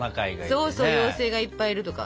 そうそう妖精がいっぱいいるとか。